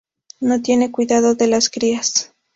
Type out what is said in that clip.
No tienen cuidado de las crías.